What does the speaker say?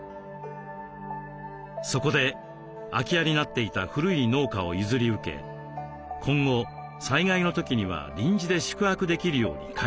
そこで空き家になっていた古い農家を譲り受け今後災害の時には臨時で宿泊できるように改装。